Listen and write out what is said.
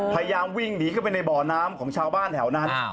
พยายามวิ่งหนีเข้าไปในบ่อน้ำของชาวบ้านแถวนั้น